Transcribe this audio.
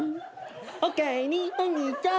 おかえりお兄ちゃん。